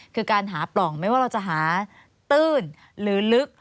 คือการหาปล่องไม่ว่าเราจะหาตื้นหรือลึก